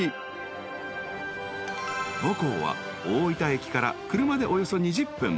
［母校は大分駅から車でおよそ２０分］